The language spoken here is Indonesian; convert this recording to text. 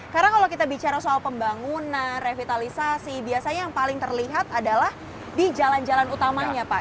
karena kalau kita bicara soal pembangunan revitalisasi biasanya yang paling terlihat adalah di jalan jalan utamanya pak